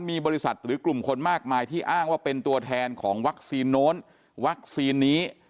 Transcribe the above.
มีบริษัทหรือกลุ่มคนมากมายที่อ้างว่าเป็นตัวแทนของวัคซีนโน้นวัคซีนนี้